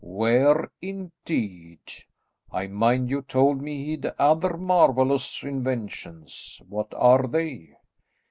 "Where indeed? I mind you told me he had other marvellous inventions; what are they?"